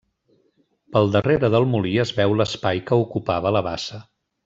Pel darrere del molí es veu l'espai que ocupava la bassa.